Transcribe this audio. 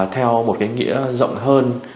theo một cái nghĩa rộng hơn